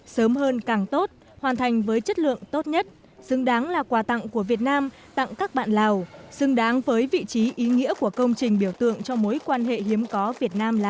sớm hơn càng tốt hoàn thành với chất lượng tốt nhất xứng đáng là quà tặng của việt nam tặng các bạn lào xứng đáng với vị trí ý nghĩa của công trình biểu tượng cho mối quan hệ hiếm có việt nam lào